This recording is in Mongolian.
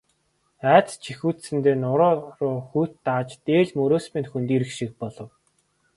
Айдас жихүүдсэндээ нуруу руу хүйт дааж, дээл мөрөөс минь хөндийрөх шиг болов.